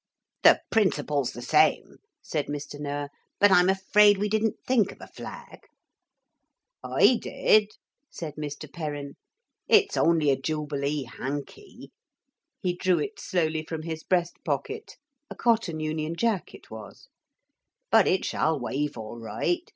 'The principle's the same,' said Mr. Noah; 'but I'm afraid we didn't think of a flag.' 'I did,' said Mr. Perrin; 'it's only a Jubilee hankey' he drew it slowly from his breast pocket, a cotton Union Jack it was 'but it shall wave all right.